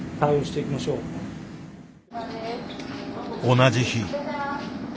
同じ日。